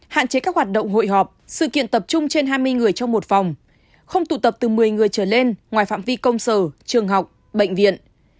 hạn chế các hoạt động hội họp sự kiện tập trung trên hai mươi người trong một phòng không tụ tập từ một mươi người trở lên ngoài phạm vi công sở trường học bệnh viện